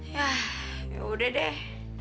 ya ya udah deh